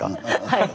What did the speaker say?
はい。